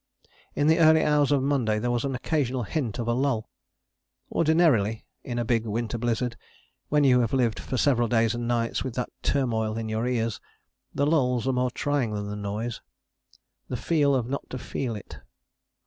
In the early hours of Monday there was an occasional hint of a lull. Ordinarily in a big winter blizzard, when you have lived for several days and nights with that turmoil in your ears, the lulls are more trying than the noise: "the feel of not to feel it."